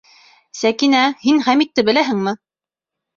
Сәкинә, һин Хәмитте беләһеңме?